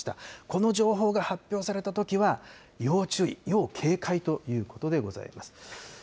この情報が発表されたときは要注意、要警戒ということでございます。